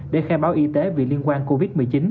để khai báo y tế vì liên quan covid một mươi chín